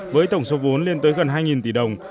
với tổng số vốn lên tới gần hai tỷ đồng